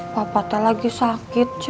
papa teh lagi sakit cu